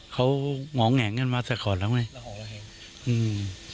เขาห่องแห่งกันมาสักขอร์ตแล้วไหม